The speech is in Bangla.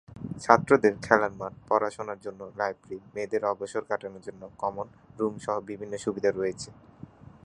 ছাত্রদের খেলার মাঠ, পড়াশোনার জন্য লাইব্রেরী, মেয়েদের অবসর কাটানোর জন্য কমন রুম সহ বিভিন্ন সুবিধা রয়েছে।